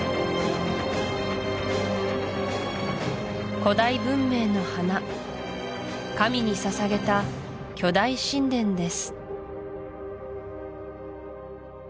古代文明の華神に捧げた巨大神殿です